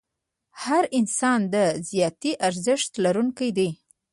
هر انسان د ذاتي ارزښت لرونکی دی.